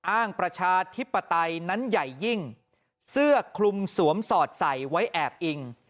ประชาธิปไตยนั้นใหญ่ยิ่งเสื้อคลุมสวมสอดใส่ไว้แอบอิง